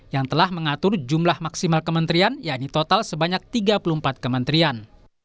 yang telah mengatur jumlah maksimal kementerian yaitu total sebanyak tiga puluh empat kementerian